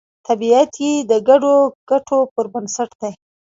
طبیعت یې د ګډو ګټو پر بنسټ دی